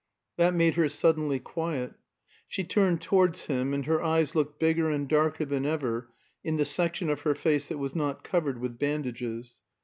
That made her suddenly quiet. She turned towards him, and her eyes looked bigger and darker than ever in the section of her face that was not covered with bandages.